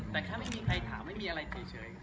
แต่แค่ไม่มีใครถามไม่มีอะไรเฉย